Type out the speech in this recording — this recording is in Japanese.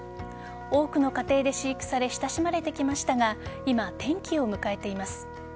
多くの家庭で飼育され親しまれてきましたが今、転機を迎えています。